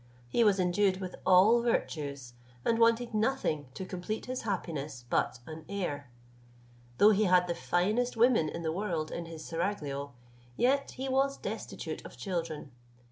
He was endued with all virtues, and wanted nothing to complete his happiness but an heir. Though he had the finest women in the world in his seraglio, yet was he destitute of children.